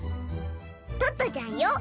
トットちゃんよ。